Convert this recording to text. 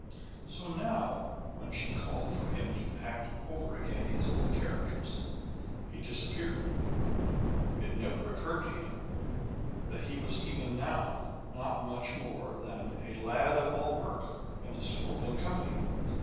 So now, when she called for him to act over again his old characters, he disappeared. It never occurred to him that he was even now not much more than a lad of all work in a strolling company.